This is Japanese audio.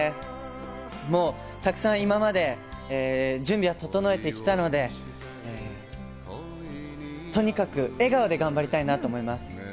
たくさん今まで準備を整えてきたので、とにかく笑顔で頑張りたいなと思います。